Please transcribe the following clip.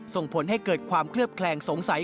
ส่งผลให้เกิดความเคลือบแคลงสงสัย